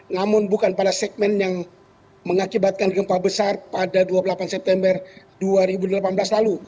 namun bukan pada segmen yang mengakibatkan gempa besar pada dua puluh delapan september dua ribu delapan belas lalu